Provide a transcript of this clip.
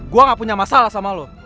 gue gak punya masalah sama lo